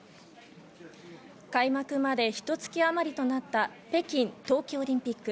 開幕まで、ひと月あまりとなった北京冬季オリンピック。